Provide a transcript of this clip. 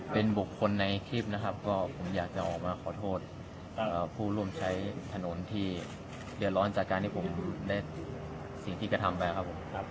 เป็นบุคคลในคลิปนะครับก็ผมอยากจะออกมาขอโทษผู้ร่วมใช้ถนนที่เดือดร้อนจากการที่ผมได้สิ่งที่กระทำไปครับผม